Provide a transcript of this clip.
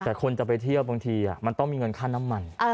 แต่คนจะไปเที่ยวบางทีมันต้องมีเงินค่าน้ำมัน